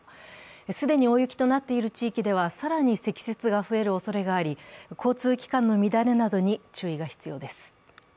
既に大雪となっている地域では更に積雪が増えるおそれがあり交通機関の乱れなどに注意が必要です。